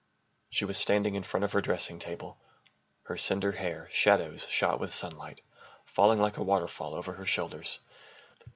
She was standing in front of her dressing table, her cendre hair shadows shot with sunlight falling like a waterfall over her shoulders.